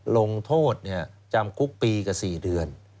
ลงโทษจำคุกปีกับ๔เดือน